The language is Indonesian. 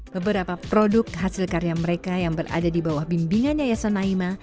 beberapa produk hasil karya mereka yang berada di bawah bimbingan yayasan naima